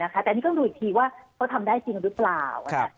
แต่อันนี้ต้องดูอีกทีว่าเขาทำได้จริงหรือเปล่า